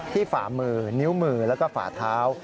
ฝ่ามือนิ้วมือแล้วก็ฝาเท้า